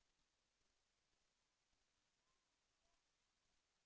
แสวได้ไงของเราก็เชียนนักอยู่ค่ะเป็นผู้ร่วมงานที่ดีมาก